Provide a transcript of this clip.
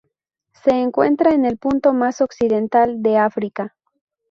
Se encuentra en el punto más occidental de África.